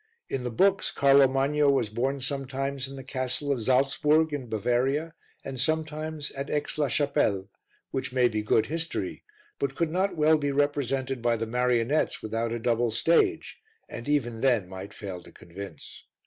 In the books, Carlo Magno was born sometimes in the castle of Saltzburg, in Bavaria, and sometimes at Aix la Chapelle; which may be good history, but could not well be represented by the marionettes without a double stage, and even then might fail to convince.